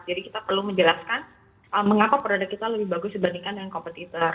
jadi kita perlu menjelaskan mengapa produk kita lebih bagus dibandingkan dengan kompetitor